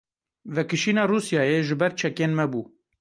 Vekişîna Rûsyayê ji ber çekên me bû.